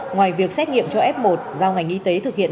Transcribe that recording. ngoài việc xét nghiệm cho f một giao ngành y tế thực hiện